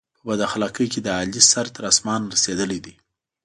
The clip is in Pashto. په بد اخلاقی کې د علي سر تر اسمانه رسېدلی دی.